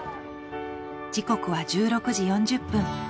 時刻は１６時４０分。